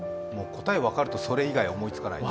答え分かるとそれ以外思いつかない。